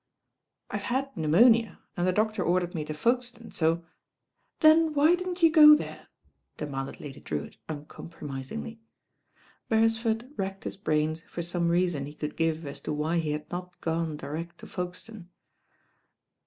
1 vc had pneumonia, and the doctor ordered me to Folkestone, so " "Then why didn't you go there?" demanded Udy Urewitt uncompromisingly. Bcresford racked his brains for some reason he could give as to why he had not gone direct to Folke stone.